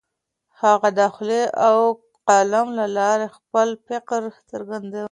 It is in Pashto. هغه د خولې او قلم له لارې خپل فکر څرګنداوه.